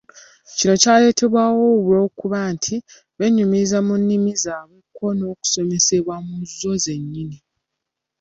Kino kyaleetebwawo olw'okuba nti benyumiriza mu nnimi zaabwe kko n'okusomesebwa mu zzo zenyini.